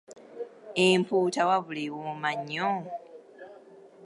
Empuuta wabula ewooma nnyo!